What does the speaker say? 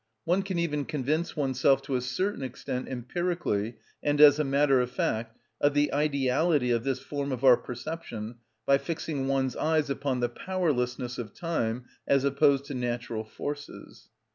One can even convince oneself to a certain extent empirically and as a matter of fact of the ideality of this form of our perception by fixing one's eyes upon the powerlessness of time as opposed to natural forces.